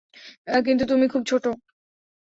কিন্তু তুমি খুব ছোট।